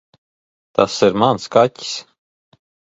Tas ir mans kaķis.